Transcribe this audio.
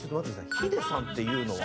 「ヒデさん」っていうのは？